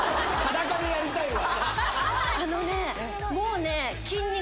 あのね。